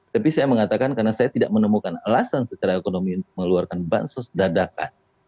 tapi saya mengatakan karena saya tidak menemukan alasan secara ekonomi untuk mengeluarkan bansos dadakan